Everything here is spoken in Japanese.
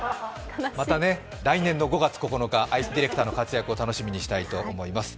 また、来年の５月９日愛須ディレクターの活躍を楽しみにしたいと思います。